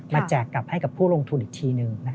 แจกกลับให้กับผู้ลงทุนอีกทีหนึ่ง